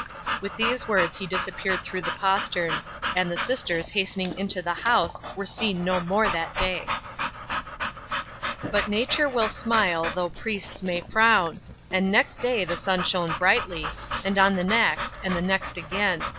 'With these words he disappeared through the postern; and the sisters hastening into the house were seen no more that day. 'But nature will smile though priests may frown, and next day the sun shone brightly, and on the next, and the next again.